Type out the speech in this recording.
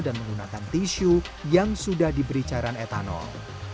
dan menggunakan tisu yang sudah diberi cairan etanol